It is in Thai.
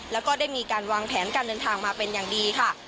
แล้วก็ได้มีการวางแผนการเดินทางมาเป็นอย่างดีค่ะ